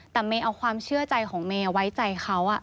แต่เมย์เอาความเชื่อใจของเมย์ไว้ใจเขา